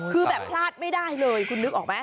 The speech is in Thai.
คือแบบพลาดไม่ได้เลยคุณนึกออกไหม